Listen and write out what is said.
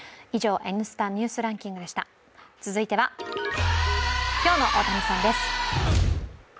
続いては、今日の大谷さんです。